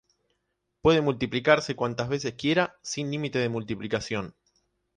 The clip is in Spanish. Puede multiplicarse cuantas veces quiera, sin límite de multiplicación.